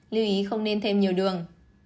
lưu ý không nên thêm nhiều đường